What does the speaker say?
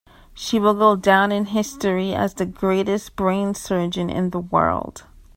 She will go down in history as the greatest brain surgeon in the world.